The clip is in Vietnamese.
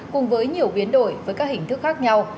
cùng với nhiều biến đổi với các hình thức khác nhau